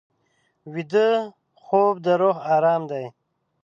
ویده خوب د روح ارام دی